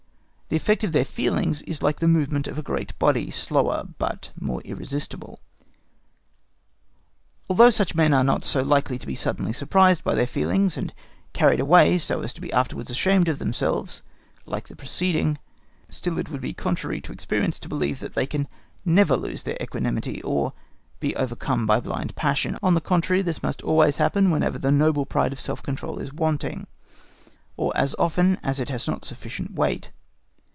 The effect of their feelings is like the movement of a great body, slower, but more irresistible. Although such men are not so likely to be suddenly surprised by their feelings and carried away so as to be afterwards ashamed of themselves, like the preceding, still it would be contrary to experience to believe that they can never lose their equanimity, or be overcome by blind passion; on the contrary, this must always happen whenever the noble pride of self control is wanting, or as often as it has not sufficient weight.